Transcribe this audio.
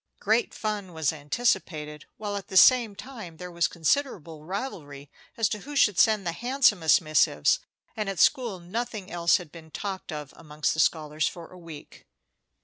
Great fun was anticipated, while at the same time there was considerable rivalry as to who should send the handsomest missives, and at school nothing else had been talked of amongst the scholars for a week.